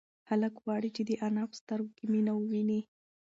هلک غواړي چې د انا په سترگو کې مینه وویني.